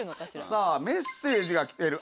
さあメッセージが来てる。